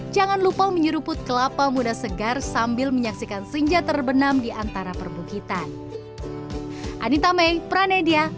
jangan lupa menyeruput kelapa muda segar sambil menyaksikan sinja terbenam di antara perbukitan